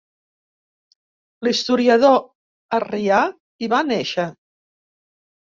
L'historiador Arrià hi va néixer.